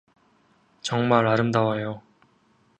정말 아름다워요.